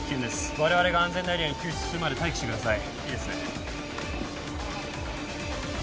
我々が安全なエリアに救出するまで待機してくださいいいですね